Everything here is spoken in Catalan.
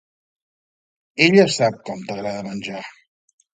Ella sap com t'agrada menjar.